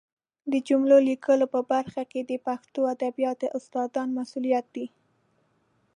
د جملو لیکلو په برخه کې د پښتو ادبیاتو استادانو مسؤلیت دی